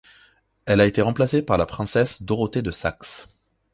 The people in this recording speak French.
Elle a été remplacée par la princesse Dorothée de Saxe.